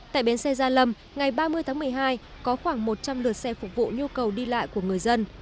tại bến xe gia lâm ngày ba mươi tháng một mươi hai có khoảng một trăm linh lượt xe phục vụ nhu cầu đi lại của người dân